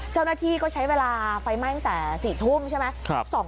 เจ้าหน้าที่ก็ใช้เวลาไฟไหม้ตั้งแต่๔ทุ่มใช่ไหม